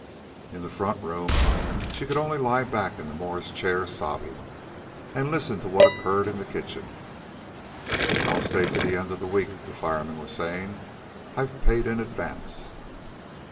In the front room she could only lie back in the Morris chair sobbing, and listen to what occurred in the kitchen. "I'll stay to the end of the week," the fireman was saying. "I've paid in advance."